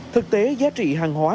thực tế giá trị hàng hóa